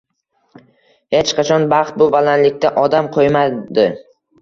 Hech qachon baxt bu balandlikda odam qo'ymadi.